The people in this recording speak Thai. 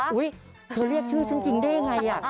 อุ๊ยถ้าเรียกชื่อฉันจริงได้อย่างไรล่ะ